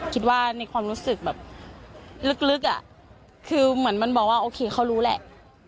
คิดว่าในความรู้สึกแบบลึกอะคือเหมือนมันบอกว่าโอเคเขารู้แหละ